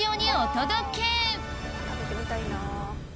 食べてみたいな。